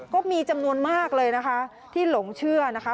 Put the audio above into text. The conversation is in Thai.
ก็มีจำนวนมากเลยนะคะที่หลงเชื่อนะคะ